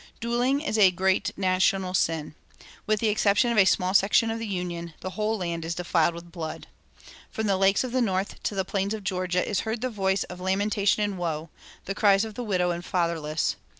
"Dueling is a great national sin. With the exception of a small section of the Union, the whole land is defiled with blood. From the lakes of the North to the plains of Georgia is heard the voice of lamentation and woe the cries of the widow and fatherless.